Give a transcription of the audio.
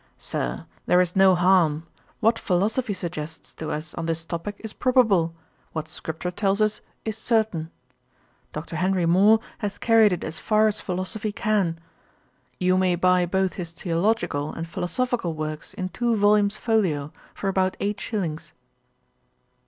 'Sir, there is no harm. What philosophy suggests to us on this topick is probable: what scripture tells us is certain. Dr. Henry More has carried it as far as philosophy can. You may buy both his theological and philosophical works in two volumes folio, for about eight shillings.'